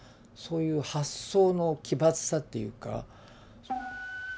そういう発想の奇抜さっていうか。